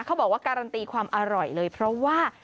เขาบอกว่าการันตีความอร่อยเลยเพราะว่า